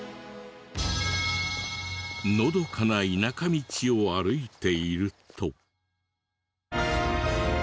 のどかな田舎道を歩いていると。